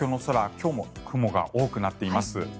今日も雲が多くなっています。